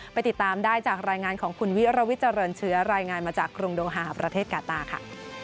ไปติดตามได้จากรายงานของคุณวิรวิทเจริญเชื้อรายงานมาจากกรุงโดงฮาประเทศกาต้าค่ะ